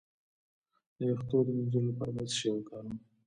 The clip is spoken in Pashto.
د ویښتو د مینځلو لپاره باید څه شی وکاروم؟